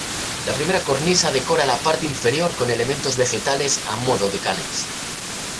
La primera cornisa decora la parte inferior con elementos vegetales a modo de canes.